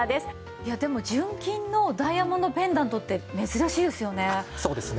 いやでも純金のダイヤモンドペンダントって珍しいですよね。